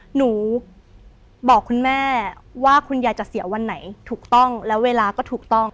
หนูบอกคุณแม่ว่าคุณยายจะเสียวันไหนถูกต้องแล้วเวลาก็ถูกต้อง